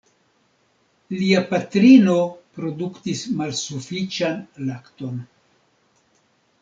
Lia patrino produktis malsufiĉan lakton.